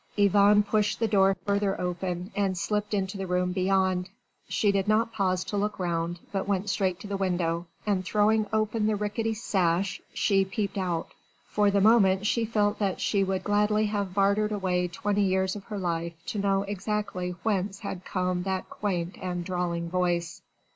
Yvonne pushed the door further open and slipped into the room beyond. She did not pause to look round but went straight to the window and throwing open the rickety sash she peeped out. For the moment she felt that she would gladly have bartered away twenty years of her life to know exactly whence had come that quaint and drawling voice.